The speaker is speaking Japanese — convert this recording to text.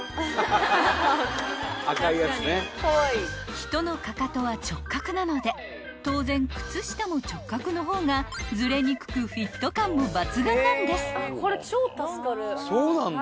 ［人のかかとは直角なので当然靴下も直角の方がズレにくくフィット感も抜群なんです］